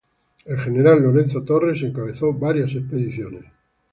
El General Lorenzo Torres encabezó varias expediciones.